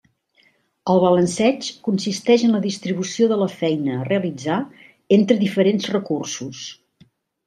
El balanceig consisteix en la distribució de la feina a realitzar entre diferents recursos.